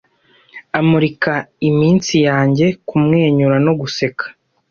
Amurika iminsi yanjye kumwenyura no guseka.